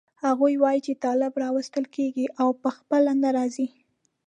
هغه وایي چې طالب راوستل کېږي او په خپله نه راځي.